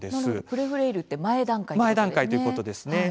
プレフレイルって前段階ということですね。